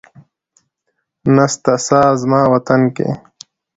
نسته ساه زما وطن کي